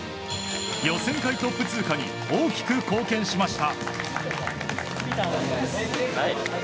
予選会トップ通過に大きく貢献しました。